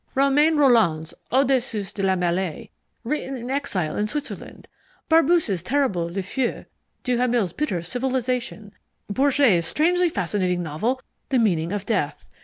Romain Rolland's Au Dessus de la Melee, written in exile in Switzerland; Barbusse's terrible Le Feu; Duhamel's bitter Civilization; Bourget's strangely fascinating novel The Meaning of Death.